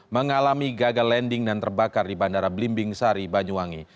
mengalami gagal landing dan terbakar di bandara belimbing sari banyuwangi